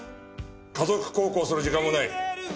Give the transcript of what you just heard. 家族孝行する時間もない。